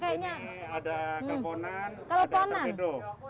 ini ada kelponan dan torpedo